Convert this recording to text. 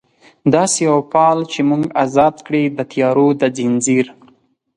داسي یو فال چې موږ ازاد کړي، د تیارو د ځنځیر